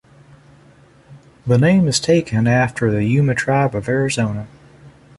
The name is taken after the Yuma tribe of Arizona.